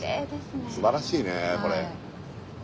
すばらしいねこれ。